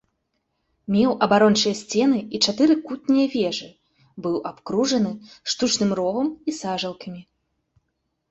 Меў абарончыя сцены і чатыры кутнія вежы, быў абкружаны штучным ровам і сажалкамі.